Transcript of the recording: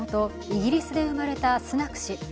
イギリスで生まれたスナク氏。